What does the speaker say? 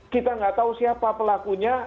kita nggak tahu siapa pelakunya